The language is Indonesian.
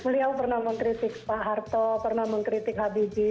beliau pernah mengkritik pak harto pernah mengkritik habibie